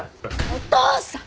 お父さん！